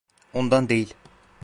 Ondan değil.